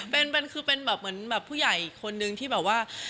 เป็นคือเป็นแบบเหมือนแบบผู้ใหญ่อีกคนนึงที่แบบว่า